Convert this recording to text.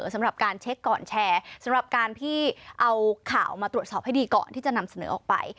สำหรับการเช็คก่อนแชร์สำหรับการที่เอาข่าวมาตรวจสอบให้ดีก่อนที่จะนำเสนอออกไป